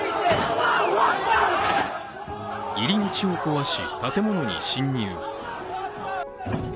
入り口を壊し、建物に侵入。